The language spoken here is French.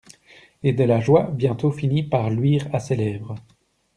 Et de la joie bientôt finit par luire à ses lèvres.